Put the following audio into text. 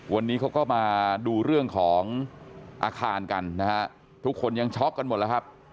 วันนี้เขาก็มาดูเรื่องของอาคารกันนะฮะทุกคนยังช็อกกันหมดแล้วครับ